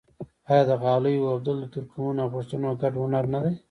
آیا د قالیو اوبدل د ترکمنو او پښتنو ګډ هنر نه دی؟